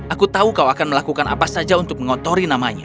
aku tahu kau akan melakukan apa saja untuk mengotori namanya